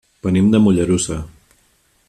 Venim de Mollerussa.